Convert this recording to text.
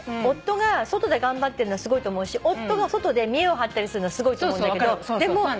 夫が外で頑張ってるのはすごいと思うし夫が外で見えを張ったりするのはすごいと思うんだけど。